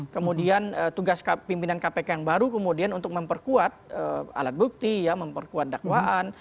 kemudian tugas pimpinan kpk yang baru kemudian untuk memperkuat alat bukti memperkuat dakwaan